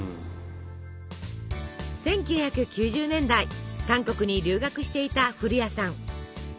１９９０年代韓国に留学していた古家さん。